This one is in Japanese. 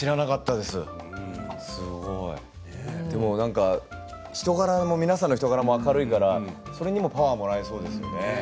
でも人柄も、皆さんの人柄も明るいから、それにもパワーをもらえそうですよね。